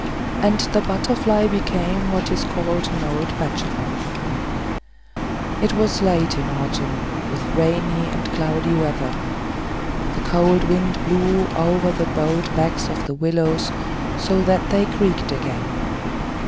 And the butterfly became what is called an old bachelor. It was late in the autumn, with rainy and cloudy weather. The cold wind blew over the bowed backs of the willows, so that they creaked again.